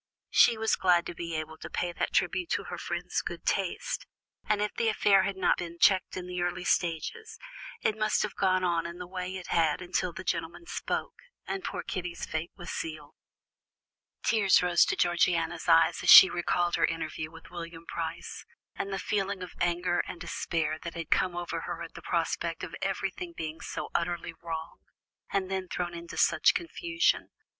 She was glad to be able to pay that tribute to her friend's good taste. And if the affair had not been checked in its early stages, it must have gone on in the way it had until the gentleman spoke, and poor Kitty's fate was sealed. Tears rose to Georgiana's eyes as she recalled her interview with William Price, and the feeling of anger and despair that had come over her at the prospect of everything being so utterly wrong, and then thrown into such confusion.